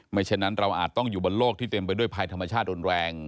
ฉะนั้นเราอาจต้องอยู่บนโลกที่เต็มไปด้วยภัยธรรมชาติรุนแรง